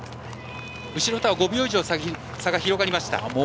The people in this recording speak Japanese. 後ろとは５秒以上差が広がりました。